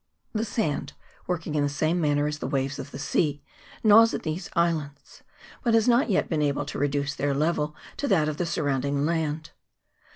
The sand, working 2O2 DISTRICTS OF THE [PART II. in the same manner as the waves of the sea, gnaws at these islands, but has not yet been able to reduce their level to that of the surrounding land.